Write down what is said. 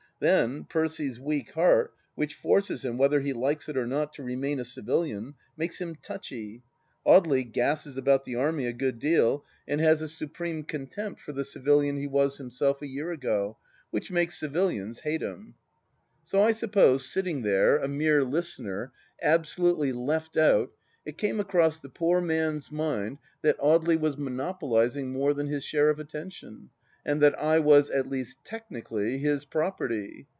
Then, Percy's weak heart, which forces him, whether he likes it or not, to remain a civilian, makes him touchy. Audely gasses about the Army a good deal, and has a supreme THE LAST DITCH 288 eontempt for the civilian he was himself a year ago, which makes civilians hate him. So I suppose, sitting there, a mere listener, absolutely left out, it came across the poor man's mind that Audely was monopolizing more than his share of attention, and that I was, at least technically, his property.